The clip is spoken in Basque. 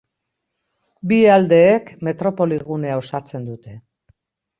Bi aldeek metropoli gunea osatzen dute.